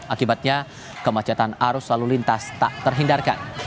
akibatnya kemacetan arus lalu lintas tak terhindarkan